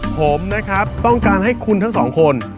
ผมนะครับต้องการให้คุณทั้งสองคน